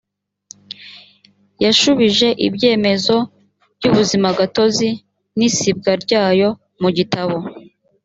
yashubije ibyemezo by’ ubuzimagatozi n’ isibwa ryayo mu gitabo